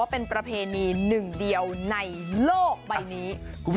ว่าเป็นประเพณีหนึ่งเดียวในโลกใบนี้